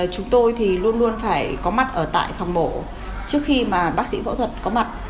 chúng tôi thì luôn luôn phải có mặt ở tại phòng mổ trước khi mà bác sĩ phẫu thuật có mặt